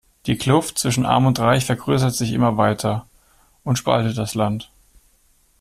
Die Kluft zwischen arm und reich vergrößert sich immer weiter und spaltet das Land.